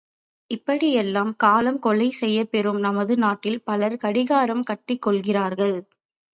இப்படியெல்லாம் காலம் கொலை செய்யப்பெறும் நமது நாட்டில் பலர் கடிகாரம் கட்டிக் கொள்கிறார்கள்!